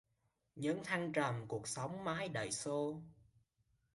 Những thăng trầm cuộc sống mãi đẩy xô